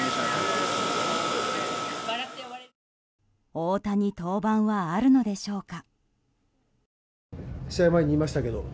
大谷、登板はあるのでしょうか？